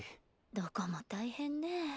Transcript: どこも大変ねえ。